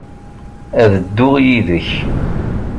Ad dduɣ yid-k.